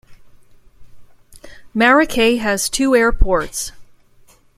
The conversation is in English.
Maracay has two airports.